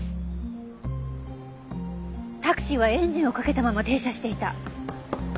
タクシーはエンジンをかけたまま停車していた。